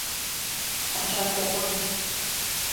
Паша томам...